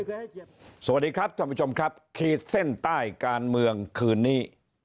สวัสดีครับท่านผู้ชมครับขีดเส้นใต้การเมืองคืนนี้